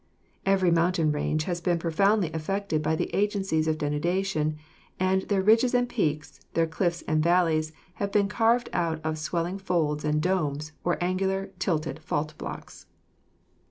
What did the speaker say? Every mountain range has been profoundly affected by the agencies of denudation, and their ridges and peaks, their cliffs and valleys have been carved out of swelling folds and domes or angular, tilted fault blocks.